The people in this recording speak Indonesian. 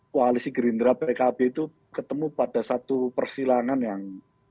koalisi gerindra pkb itu ketemu pada satu persilangan yang